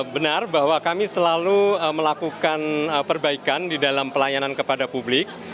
benar bahwa kami selalu melakukan perbaikan di dalam pelayanan kepada publik